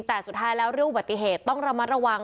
แต่สุดท้ายแล้วเรื่องอุบัติเหตุต้องระมัดระวัง